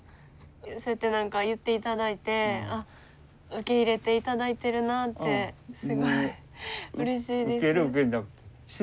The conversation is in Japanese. そうやってなんか言って頂いて受け入れて頂いてるなってすごいうれしいです。